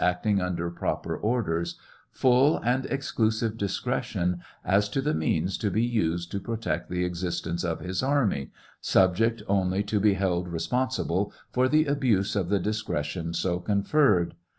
acting under proper orders, full and exclusive discretion as to the means to be used to protect the existence of his army, subject only to be held responsibU for the abuse of the discretion so conferred.